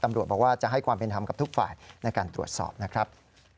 ตำรวจบอกว่าจะให้ความเป็นธรรมกับทุกฝ่ายในการตรวจสอบนะครับ